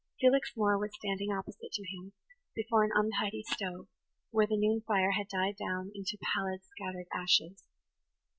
Felix Moore was standing opposite to him, before an untidy stove, where the noon fire had died down into pallid, scattered ashes.